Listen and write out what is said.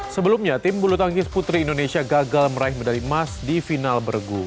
sebelumnya tim bulu tangkis putri indonesia gagal meraih medali emas di final bergu